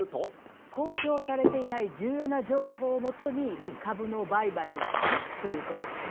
公表されていない重要な情報をもとに株の売買をするということですね。